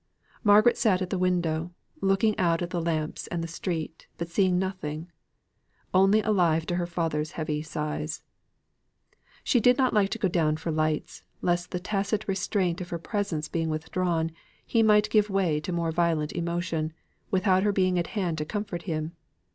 Margaret sat at the window, looking out at the lamps and the street, but seeing nothing, only alive to her father's heavy sighs. She did not like to go down for lights, lest the tacit restraint of her presence being withdrawn, he might give way to more violent emotion, without her being at hand to comfort him.